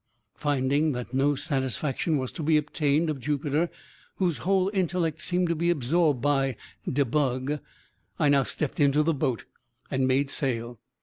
Finding that no satisfaction was to be obtained of Jupiter, whose whole intellect seemed to be absorbed by "de bug," I now stepped into the boat, and made sail.